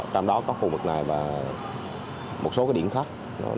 trong đó có khu vực này và một số điểm khác